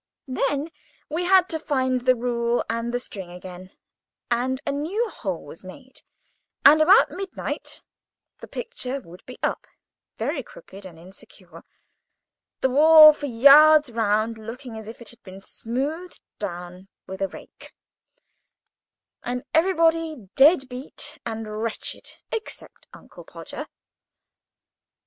Then we had to find the rule and the string again, and a new hole was made; and, about midnight, the picture would be up—very crooked and insecure, the wall for yards round looking as if it had been smoothed down with a rake, and everybody dead beat and wretched—except Uncle Podger.